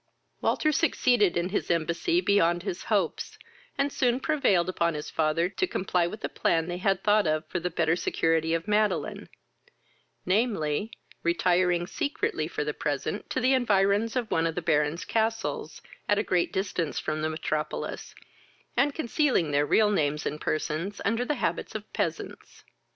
Walter succeeded in his embassy beyond his hopes, and soon prevailed upon his father to comply with a plan they had thought of for the better security of Madeline; namely, retiring secretly for the present to the environs of one of the Baron's castles, at a great distance from the metropolis, and concealing their real names and persons under the habits of peasants.